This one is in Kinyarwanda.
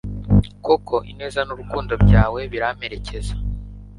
koko ineza n'urukundo byawe biramperekeza